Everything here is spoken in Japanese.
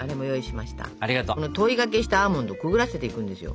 糖衣がけしたアーモンドをくぐらせていくんですよ。